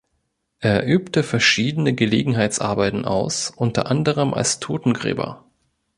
Er übte verschiedene Gelegenheitsarbeiten aus, unter anderem als Totengräber.